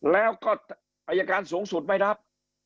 แล้วก็อายการสูงสุดไม่รับ